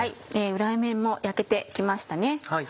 裏面も焼けて来ましたね。